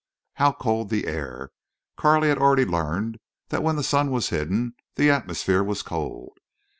How cold the air! Carley had already learned that when the sun was hidden the atmosphere was cold.